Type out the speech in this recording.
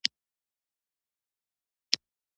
د لمر وړانګې انرژي تولیدوي.